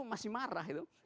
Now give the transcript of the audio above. masih marah itu